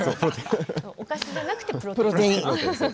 お菓子じゃなくてプロテイン。